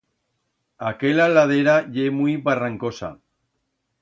Aquela ladera ye muit barrancosa.